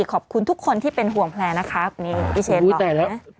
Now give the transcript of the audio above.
ขอบคุณทุกคนที่เป็นห่วงแพรนะครับพี่เชตต่อก็